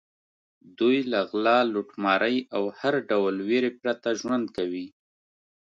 دوی له غلا، لوټمارۍ او هر ډول وېرې پرته ژوند کوي.